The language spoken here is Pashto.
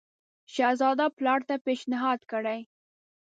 شهزاده پلار ته پېشنهاد کړی.